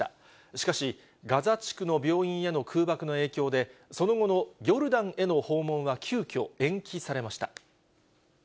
しかし、ガザ地区の病院への空爆の影響で、その後のヨルダンへの訪問は急きょ延期されました。